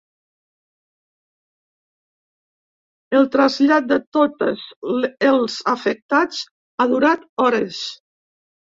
El trasllat de totes els afectats ha durat hores.